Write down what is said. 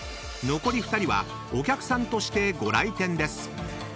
［残り２人はお客さんとしてご来店です］